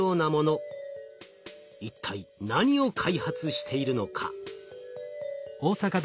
一体何を開発しているのか？